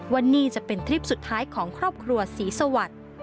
วันนี้จะเป็นทริปสุดท้ายของครอบครัวศรีสวรรค์